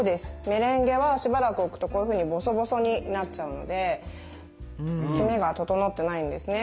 メレンゲはしばらく置くとこういうふうにボソボソになっちゃうのできめが整ってないんですね。